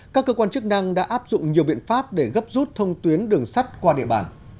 các cơ quan chức năng đã áp dụng nhiều biện pháp để gấp rút thông tuyến đường sắt qua địa bàn